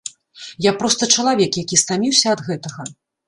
Я проста чалавек, які стаміўся ад гэтага.